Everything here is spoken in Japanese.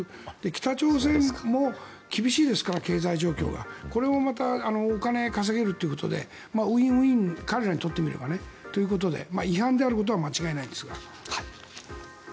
北朝鮮も経済状況が厳しいですからこれもまたお金を稼げるということでウィンウィン彼らにとってみればということで違反であることは間違いないですが。